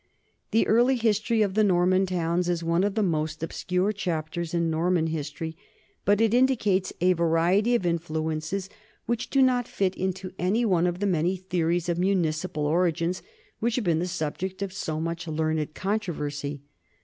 The early history of the Norman towns is one of the most obscure chapters in Norman history, but it indicates a variety of influences which do not fit into any one of the many theories of municipal origins which have been the subject of so much learned controversy.